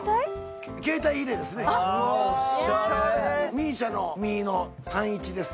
「ＭＩＳＩＡ」の「ミ」の「３」「１」です。